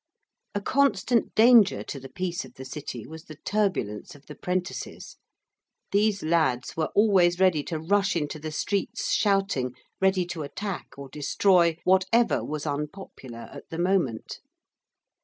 A constant danger to the peace of the City was the turbulence of the prentices, these lads were always ready to rush into the streets, shouting, ready to attack or destroy whatever was unpopular at the moment.